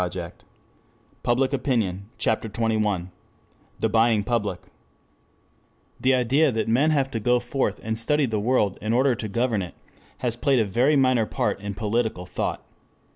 NEWS, TRUTH, AND A CONCLUSION CHAPTER XXI THE BUYING PUBLIC 1 THE idea that men have to go forth and study the world in order to govern it, has played a very minor part in political thought.